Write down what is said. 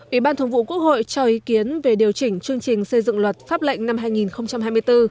ủy ban thường vụ quốc hội cho ý kiến về điều chỉnh chương trình xây dựng luật pháp lệnh năm hai nghìn hai mươi bốn